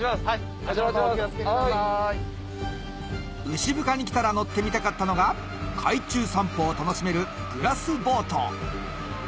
牛深に来たら乗ってみたかったのが海中散歩を楽しめるグラスボート